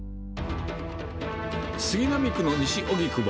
杉並区の西荻窪。